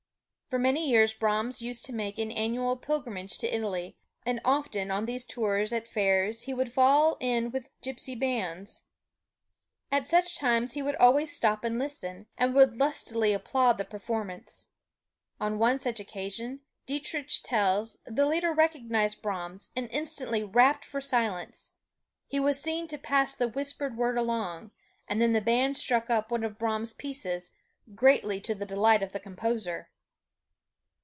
For many years Brahms used to make an annual pilgrimage to Italy, and often on these tours at fairs he would fall in with Gipsy bands. At such times he would always stop and listen, and would lustily applaud the performance. On one such occasion, Dietrich tells, the leader recognized Brahms, and instantly rapped for silence. He was seen to pass the whispered word along, and then the band struck up one of Brahms' pieces, greatly to the delight of the composer.